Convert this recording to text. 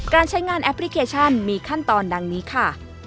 การใช้งานแอปพลิเคชันมีขั้นตอนดังนี้ค่ะ